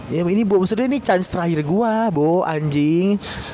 ya ini bung surya ini chance terakhir gue bo anjing